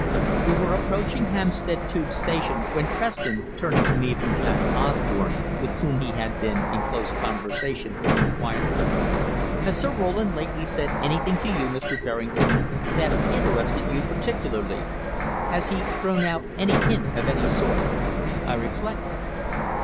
We were approaching Hampstead Tube station when Preston, turning to me from Jack Osborne, with whom he had been in close conversation, inquired: "Has Sir Roland lately said anything to you, Mr. Berrington, that interested you particularly? Has he thrown out any hint of any sort?" I reflected.